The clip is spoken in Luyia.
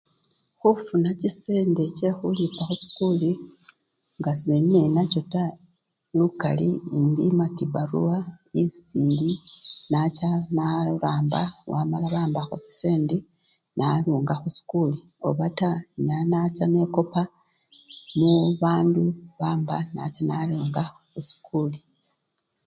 Khufuna chisende chekhulipa khusikuli, nga sendi nenacho taa lukali enyima kibarwa esi eli nacha naramba wamala bambakho chisendi narunga khusikuli obata nacha nekopa mubandu bamba nacha narunga khusikuli.